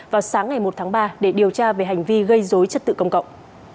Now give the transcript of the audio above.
vào sáng ngày một tháng ba để điều tra về hành vi gây dối trật tự công cộng